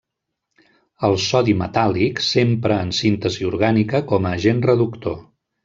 El sodi metàl·lic s'empra en síntesi orgànica com a agent reductor.